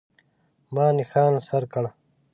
ما نښان سر کړ.